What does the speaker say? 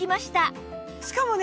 しかもね